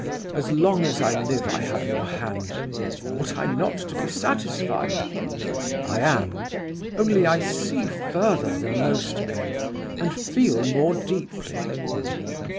As long as I live I have your hand. Ought I not to be satisfied? I am; only I see further than most men, and feel more deeply.